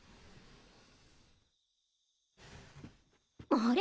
あれ？